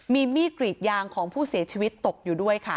มีมีดกรีดยางของผู้เสียชีวิตตกอยู่ด้วยค่ะ